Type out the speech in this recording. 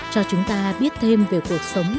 cho chúng ta biết thêm về cuộc sống